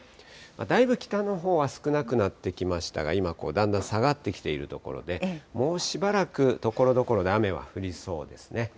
だいぶ北の方は少なくなってきましたが、今こうだんだん下がってきているところで、もうしばらくところどころで雨は降りそうですね。